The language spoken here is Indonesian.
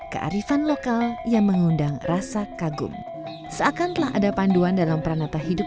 kearifan lokal yang mengundang rasa kagum seakan telah ada panduan dalam peranata hidup